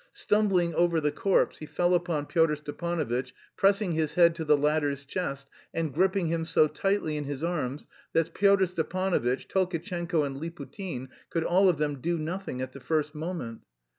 Stumbling over the corpse, he fell upon Pyotr Stepanovitch, pressing his head to the latter's chest and gripping him so tightly in his arms that Pyotr Stepanovitch, Tolkatchenko, and Liputin could all of them do nothing at the first moment.